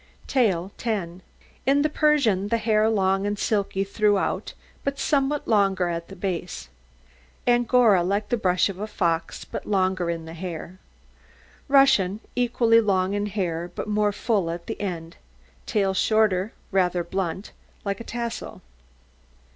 TAIL 10 In the Persian the hair long and silky throughout, but somewhat longer at the base; Angora like the brush of a fox, but longer in the hair; Russian equally long in hair but more full at the end, tail shorter, rather blunt, like a tassel.